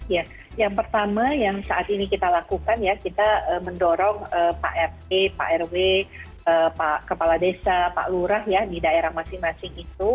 ya yang pertama yang saat ini kita lakukan ya kita mendorong pak rt pak rw pak kepala desa pak lurah ya di daerah masing masing itu